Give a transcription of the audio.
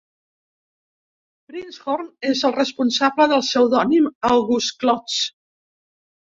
Prinzhorn és el responsable del pseudònim August Klotz.